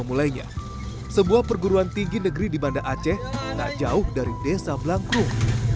untuk mempunyai keuntungan yang lebih berkaitan dengan keuntungan bumg blangkrum